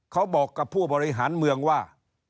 เขาบอกกับผู้บริหารเมืองว่า